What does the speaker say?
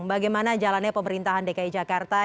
bagaimana jalannya pemerintahan dki jakarta